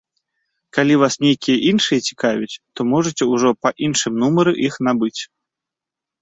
Калі вас нейкія іншыя цікавяць, то можаце ўжо па іншым нумары іх набыць.